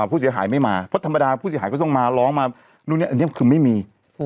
ผู้เสียหายไม่มาเพราะธรรมดาผู้เสียหายก็ต้องมาร้องมานู่นเนี่ยอันนี้คือไม่มี